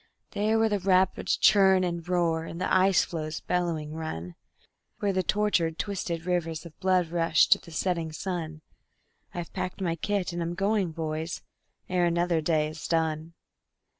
There where the rapids churn and roar, and the ice floes bellowing run; Where the tortured, twisted rivers of blood rush to the setting sun I've packed my kit and I'm going, boys, ere another day is done.